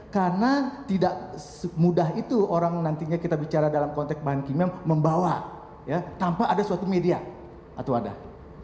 karena tidak mudah itu orang nantinya kita bicara dalam konteks bahan kimia membawa tanpa ada suatu media atau wadah